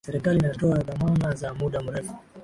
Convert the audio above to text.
serikali inatoa dhamana za muda mrefu